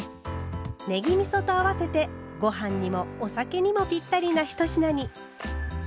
ねぎみそと合わせてごはんにもお酒にもピッタリな一品に。